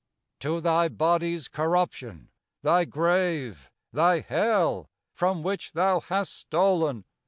"To thy body's corruption! thy grave! Thy hell! from which thou hast stolen!"